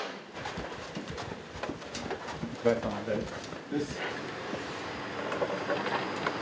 お疲れさまです。